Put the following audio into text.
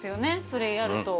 それやると。